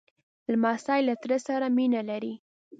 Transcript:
لمسی له تره سره مینه لري.